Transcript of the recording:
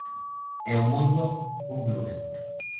E o mundo, conclúe.